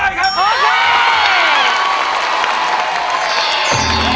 โปรดติดตามตอนต่อไป